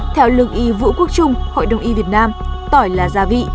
theo lực ý vũ quốc trung hội đồng ý việt nam tỏi là gia vị